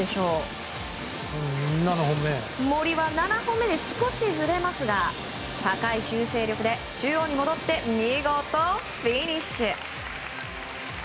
森は７本目で少しずれますが高い修正力で中央に戻って見事フィニッシュ。